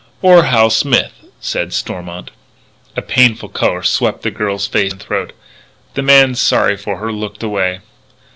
"Or Hal Smith," said Stormont. A painful colour swept the girl's face and throat. The man, sorry for her, looked away.